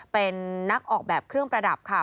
เป็นนักออกแบบเครื่องประดับค่ะ